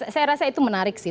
saya rasa itu menarik sih